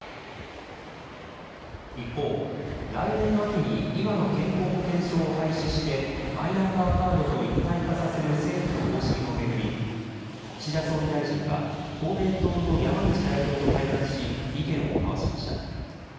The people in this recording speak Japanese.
一方、来年秋に今の健康保険証を廃止してマイナンバーカードと一体化させる政府の方針を巡り、岸田総理大臣は公明党の山口代表と会談し意見を交わしました。